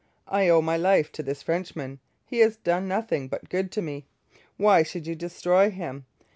I owe my life to this Frenchman. He has done nothing but good to me. Why should you destroy him?